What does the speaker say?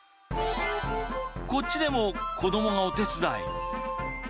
こっちでも、子どもがお手伝い。